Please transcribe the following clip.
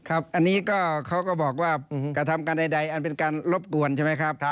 อันนี้ก็เขาก็บอกว่ากระทำการใดอันเป็นการรบกวนใช่ไหมครับ